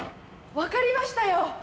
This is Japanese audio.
分かりましたよ！